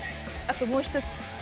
あともう一つ。